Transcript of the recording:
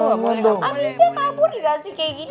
abisnya kabur juga sih kayak gini